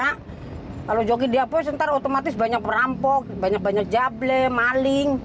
kalau joki tiga in satu nanti otomatis banyak perampok banyak banyak jable maling